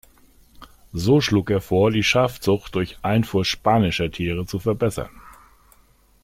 So schlug er vor, die Schafzucht durch Einfuhr spanischer Tiere zu verbessern.